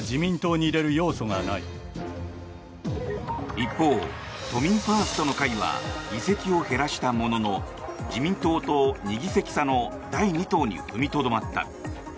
一方、都民ファーストの会は議席を減らしたものの自民党と２議席差の第２党に踏みとどまった。